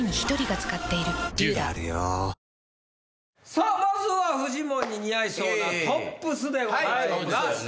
続くまずはフジモンに似合いそうなトップスでございます。